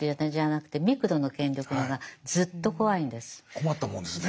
困ったもんですね。